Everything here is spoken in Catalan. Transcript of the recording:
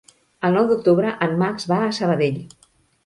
El nou d'octubre en Max va a Sabadell.